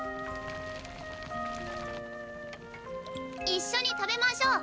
一緒に食べましょう。